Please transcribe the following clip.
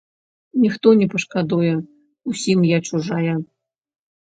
Ніхто не пашкадуе, усім я чужая.